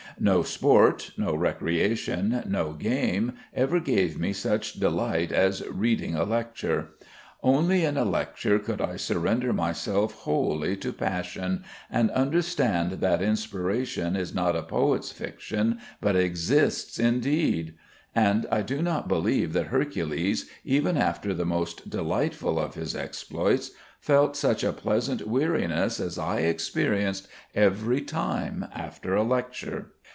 No sport, no recreation, no game ever gave me such delight as reading a lecture. Only in a lecture could I surrender myself wholly to passion and understand that inspiration is not a poet's fiction, but exists indeed. And I do not believe that Hercules, even after the most delightful of his exploits, felt such a pleasant weariness as I experienced every time after a lecture.